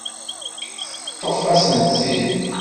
Teṭṭef-asent-tt-id.